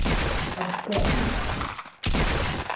Ad ɣ-tseɛfemt?